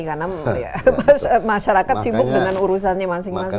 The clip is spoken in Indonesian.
karena masyarakat sibuk dengan urusannya masing masing